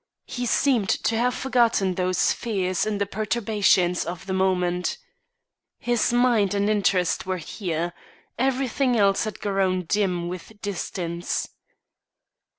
He seemed to have forgotten those fears in the perturbations of the moment. His mind and interest were here; everything else had grown dim with distance.